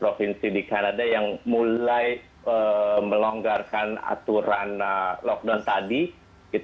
provinsi di kanada yang mulai melonggarkan aturan lockdown tadi